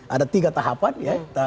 ada tiga tahapan ya